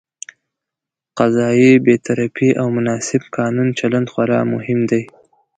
قضايي بېطرفي او مناسب قانوني چلند خورا مهم دي.